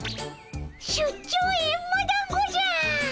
出張エンマだんごじゃ！